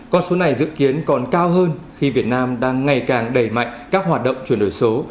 con số này dự kiến còn cao hơn khi việt nam đang ngày càng đẩy mạnh các hoạt động chuyển đổi số